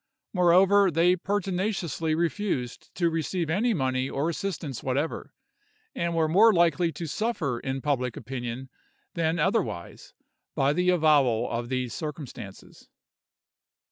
Moreover, they pertinaciously refused to receive any money or assistance whatever, and were more likely to suffer in public opinion than otherwise by the avowal of these circumstances.